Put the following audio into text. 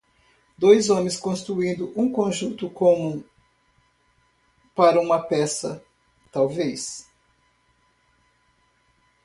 Dois homens construindo um conjunto como para uma peça talvez.